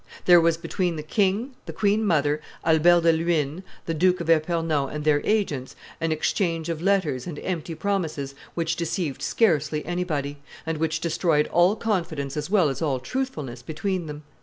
There was between the king, the queen mother, Albert de Luynes, the Duke of Epernon and their agents, an exchange of letters and empty promises which deceived scarcely anybody, and which destroyed all confidence as well as all truthfulness between them.